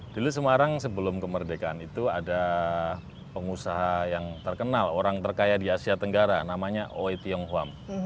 dulu semarang sebelum kemerdekaan itu ada pengusaha yang terkenal orang terkaya di asia tenggara namanya oi tionghoa